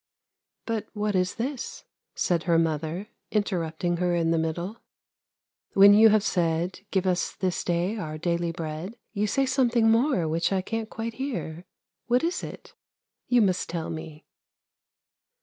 ' But what is this,' said her mother, interrupting her in the middle. ' When you have said, " give us this day our daily bread," you say something more which I can't quite hear; what is it? You must tell me.'